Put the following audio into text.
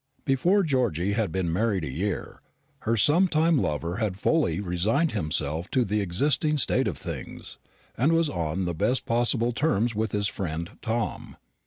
Before Georgy had been married a year, her sometime lover had fully resigned himself to the existing state of things, and was on the best possible terms with his friend Tom.